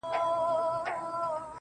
او له سترگو يې څو سپيني مرغلري,